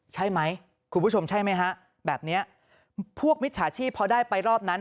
ใช่ไหมคุณผู้ชมใช่ไหมฮะแบบนี้พวกมิจฉาชีพพอได้ไปรอบนั้น